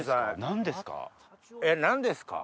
何ですか？